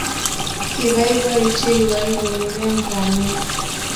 kiboibochi rwoik koureren pwanit.